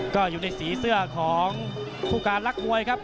ก็อยู่ในสีเสื้อของคู่การรักมวยครับ